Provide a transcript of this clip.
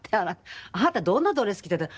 あなたどんなドレス着てた？